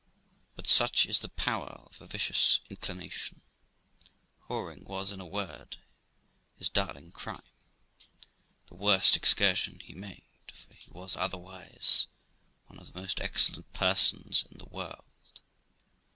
But such is the power of a vicious inclination. Whoring was, in a word, his darling crime, the worst excursion he made, for he was otherwise one of the most excellent persons in the world.